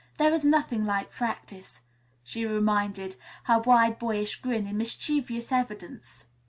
There is nothing like practice," she reminded, her wide, boyish grin in mischievous evidence.